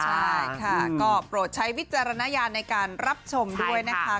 ใช่ค่ะก็โปรดใช้วิจารณญาณในการรับชมด้วยนะคะ